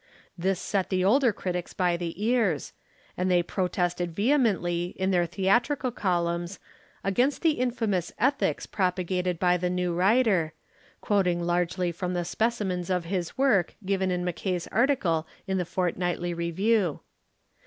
This set the older critics by the ears, and they protested vehemently in their theatrical columns against the infamous ethics propagated by the new writer, quoting largely from the specimens of his work given in Mackay's article in the Fortnightly Review.